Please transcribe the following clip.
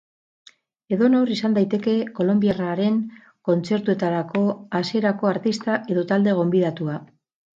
Edonor izan daiteke kolonbiarraren kontzertuetako hasierako artista edo talde gonbidatua.